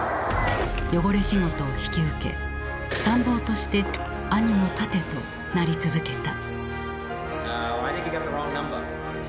汚れ仕事を引き受け参謀として兄の盾となり続けた。